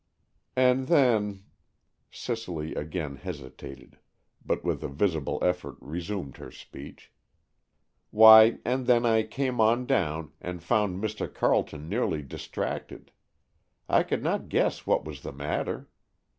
"And then"—Cicely again hesitated, but with a visible effort resumed her speech—"why, and then I came on down, and found Mr. Carleton nearly distracted. I could not guess what was the matter.